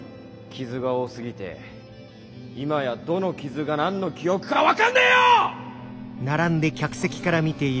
傷が多すぎて今やどの傷が何の記憶か分かんねえよ！